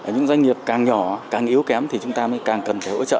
những doanh nghiệp càng nhỏ càng yếu kém thì chúng ta mới càng cần phải hỗ trợ